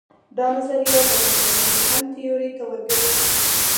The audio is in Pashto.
دا نظریه د موډرنیزېشن تیورۍ ته ور ګرځي.